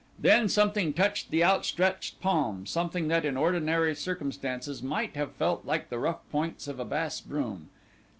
Then something touched the outstretched palm, something that in ordinary circumstances might have felt like the rough points of a bass broom.